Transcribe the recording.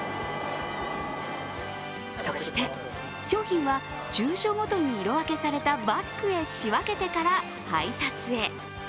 そして、商品は住所ごとに色分けされたバッグへ仕分けてから配達へ。